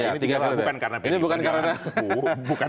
ini bukan karena pilihan jalan